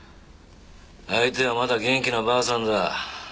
相手はまだ元気なばあさんだ。